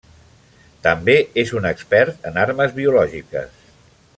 També és un expert en armes biològiques.